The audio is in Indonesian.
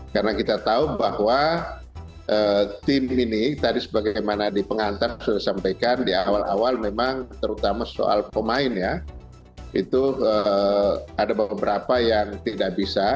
karena kita tahu bahwa tim ini tadi sebagaimana di pengantar sudah disampaikan di awal awal memang terutama soal pemain ya itu ada beberapa yang tidak bisa